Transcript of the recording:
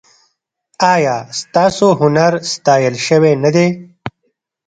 ایا ستاسو هنر ستایل شوی نه دی؟